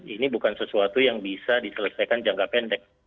ini bukan sesuatu yang bisa diselesaikan jangka pendek